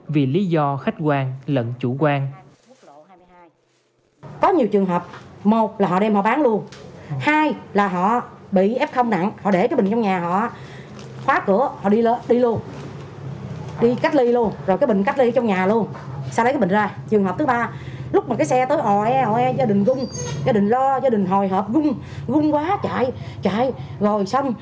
vì lý do khách quan lận chủ quan